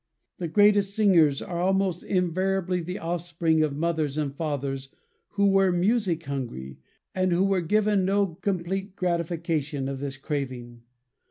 The greatest singers are almost invariably the offspring of mothers or fathers who were music hungry, and who were given no complete gratification of this craving.